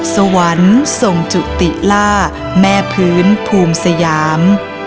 สวรรค์ทรงจุติล่าแม่พื้นภูมิสยาม